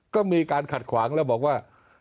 ก็มีการขัดขวางแล้วบอกว่า